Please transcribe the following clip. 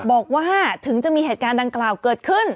บอกว่าถึงจะมีเหตุการณ์ดังกล่าวเกิดขึ้น